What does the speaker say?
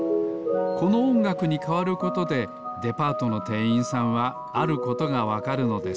このおんがくにかわることでデパートのてんいんさんはあることがわかるのです。